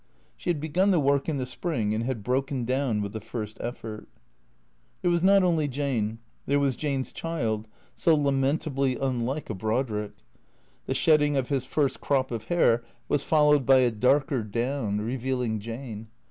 She had begun the work in the spring and had broken down with the first effort. There was not only Jane ; there was Jane's child, so lamentably unlike a Brodrick. The shedding of his first crop of hair was followed by a darker down, revealing Jane.